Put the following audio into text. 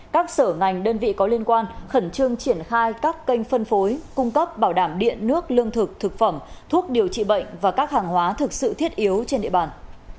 các sở ngành đơn vị có liên quan khẩn trương triển khai các kênh phân phối cung cấp bảo đảm điện nước lương thực thực phẩm thuốc điều trị bệnh và các hàng hóa thực sự thiết yếu trên địa bàn